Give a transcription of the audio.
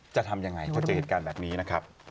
จะทำยังไงพอเจอเหตุการณ์แบบนี้นะครับ